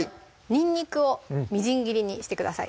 にんにくをみじん切りにしてください